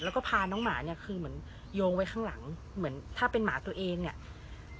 แล้วก็พาน้องหมาเนี่ยคือเหมือนโยงไว้ข้างหลังเหมือนถ้าเป็นหมาตัวเองเนี่ย